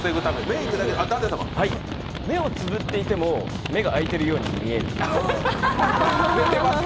目をつぶっていても、目を開いているように見える。